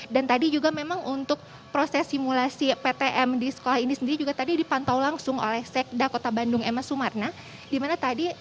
dan tadi juga memang untuk proses simulasi ptm di sekolah ini sendiri juga tadi dipantau langsung oleh sekda kota bandung ms sumarna